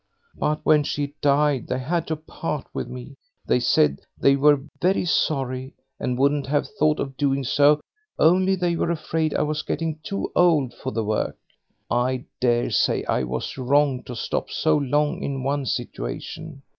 But when she died they had to part with me; they said they were very sorry, and wouldn't have thought of doing so, only they were afraid I was getting too old for the work. I daresay I was wrong to stop so long in one situation.